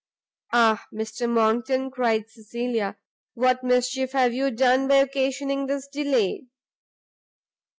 "Ah, Mr Monckton!" cried Cecilia, "what mischief have you done by occasioning this delay!"